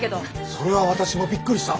それは私もびっくりした。